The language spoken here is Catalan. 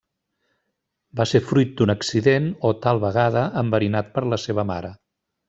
Va ser fruit d'un accident o, tal vegada, enverinat per la seva mare.